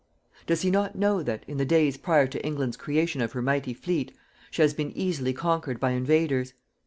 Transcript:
Does he not know that, in the days prior to England's creation of her mighty fleet, she has been easily conquered by invaders?